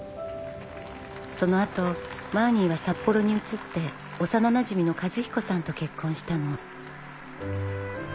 その後マーニーは札幌に移って幼なじみの和彦さんと結婚したの。